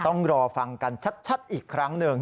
ต้องรอฟังกันชัดอีกครั้งหนึ่ง